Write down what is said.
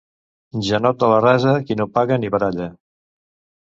Janot de la rasa, que ni paga ni baralla.